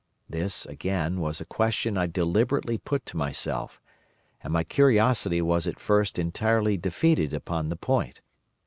This, again, was a question I deliberately put to myself, and my curiosity was at first entirely defeated upon the point.